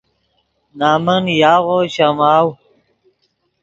نَمن یاغو شَماؤ